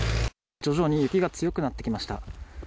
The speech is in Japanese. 徐々に雪が強くなってきました。